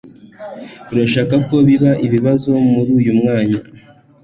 Urashaka ko biba ibi bazo muruyu mwanya